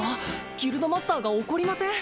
ギルドマスターが怒りません？